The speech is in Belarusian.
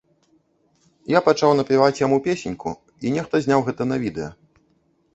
Я пачаў напяваць яму песеньку, і нехта зняў гэта на відэа.